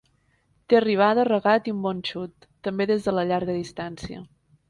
Té arribada, regat i un bon xut, també des de la llarga distància.